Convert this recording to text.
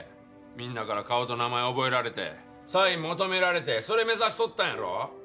みんなから顔と名前覚えられてサイン求められてそれ目指しとったんやろ？